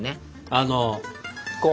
あのこう。